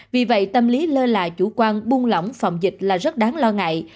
vì vậy tâm lý lơ là chủ quan buông lỏng phòng dịch là rất đáng lo ngại